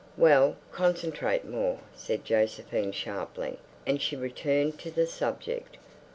"Well, concentrate more," said Josephine sharply, and she returned to the subject.